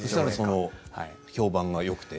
評判がよくて。